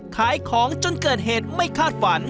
ขายของจนเกิดเหตุไม่คาดฝัน